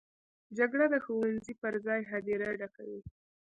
جګړه د ښوونځي پر ځای هدیره ډکوي